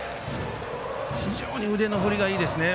非常に腕の振りがいいですね。